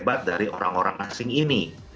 lebih hebat dari orang orang asing ini